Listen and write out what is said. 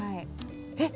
えっ！